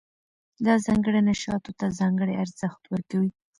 دا ځانګړنه شاتو ته ځانګړی ارزښت ورکوي.